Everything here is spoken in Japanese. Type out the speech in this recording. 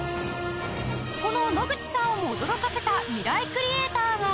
この野口さんをも驚かせたミライクリエイターが